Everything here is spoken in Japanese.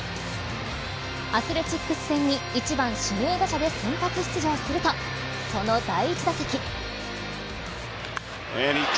アスレチックス戦に１番、指名打者で先発出場するとその第１打席。